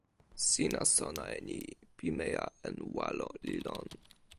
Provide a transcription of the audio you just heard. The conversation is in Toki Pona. sina sona e ni: pimeja en walo li lon.